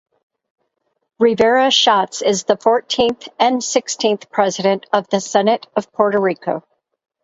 Rivera Schatz is the fourteenth and sixteenth President of the Senate of Puerto Rico.